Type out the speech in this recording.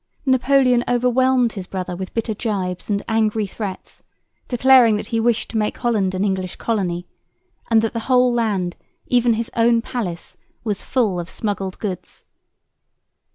Napoleon overwhelmed his brother with bitter gibes and angry threats, declaring that he wished to make Holland an English colony, and that the whole land, even his own palace, was full of smuggled goods.